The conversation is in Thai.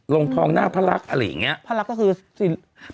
ลงทองหน้าพระรักษณ์อะไรอย่างเงี้ยพระรักษณ์ก็คือสีลงทอง